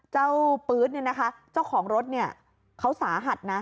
เจ้าปื๊ดเนี่ยนะคะเจ้าของรถเขาสาหัส